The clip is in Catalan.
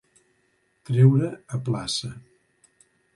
Treure a plaça.